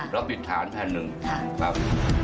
แล้วปิดฐานแผ่นหนึ่งครับ